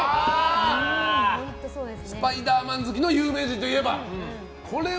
「スパイダーマン」好きの有名人といえば？